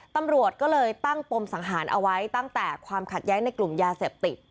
ตำรวจก็เลยตั้งปมสังหารเอาไว้ตั้งแต่ความขัดแย้งในกลุ่มยาเสพติด